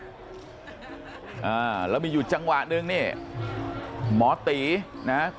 อ่าแล้วมีอยู่จังหวะหนึ่งนี่หมอตีนะ